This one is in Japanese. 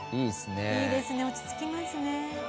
いいですね、落ち着きますね。